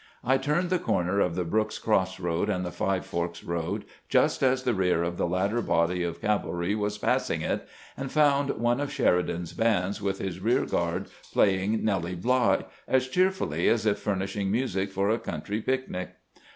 I turned the corner of the Brooks cross road and the Five Forks road just as the rear of the latter body of cavalry was passing it, and found one of Sheridan's bands with his rear guard playing " Nellie Bly " as cheerfully as if furnishing music for a country picnic.